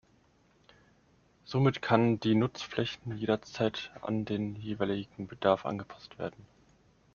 Somit kann die Nutzflächen jederzeit an den jeweiligen Bedarf angepasst werden.